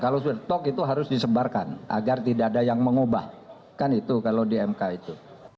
kalau sudah tok itu harus disebarkan agar tidak ada yang mengubah kan itu kalau di mk itu